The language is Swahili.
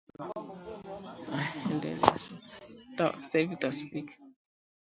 Ndio bibi